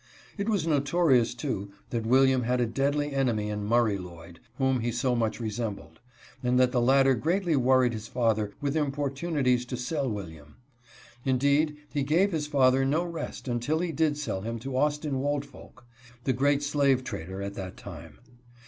It was notorious too that William had a deadly enemy in Murray Lloyd, whom he so much resembled, and that the latter greatly worried his father with impor tunities to sell William. Indeed, he gave his father no rest, until he did sell him to Austin Woldfolk, the great slave trader at that time.